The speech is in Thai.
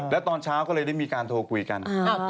แล้วตอนเช้าก็เลยได้มีการโทรคุยกัน